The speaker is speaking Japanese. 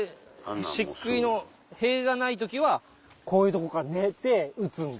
しっくいの塀がない時はこういうとこから寝て撃つんで。